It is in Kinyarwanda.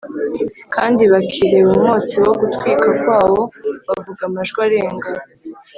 kandi bakireba umwotsi wo gutwikwa kwawo bavuga amajwi arenga